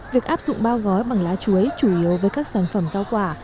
việc áp dụng bao gói bằng lá chuối chủ yếu với các sản phẩm rau quả